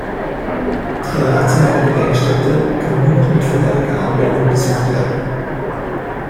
Die Rathenau-Gedenkstätte kann nur noch mit vorheriger Anmeldung besucht werden.